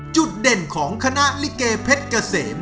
จุดเด่นของคณะลิเกเพชรเกษม